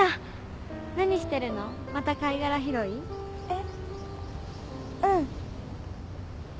えっ？